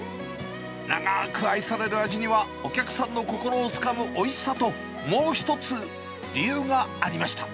長ーく愛される味には、お客さんの心をつかむおいしさと、もう一つ、理由がありました。